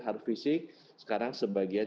harus fisik sekarang sebagian